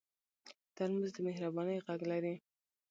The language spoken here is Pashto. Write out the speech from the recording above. ترموز د مهربانۍ غږ لري.